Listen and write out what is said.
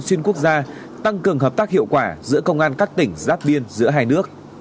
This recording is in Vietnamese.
xuyên quốc gia tăng cường hợp tác hiệu quả giữa công an các tỉnh giáp biên giữa hai nước